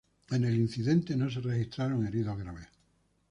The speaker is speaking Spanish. En el incidente no se registraron heridos graves.